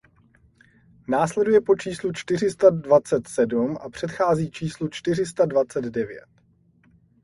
Následuje po číslu čtyři sta dvacet sedm a předchází číslu čtyři sta dvacet devět.